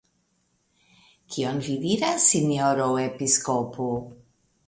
Kion vi diras, sinjoro episkopo?